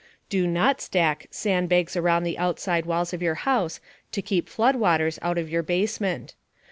Do not stack sandbags around the outside walls of your house to keep flood waters out of your basement.